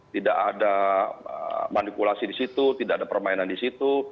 tidak ada manipulasi di situ tidak ada permainan di situ